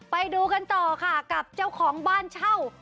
ไปดูกันต่อค่ะกับเจ้าของบ้านเช่า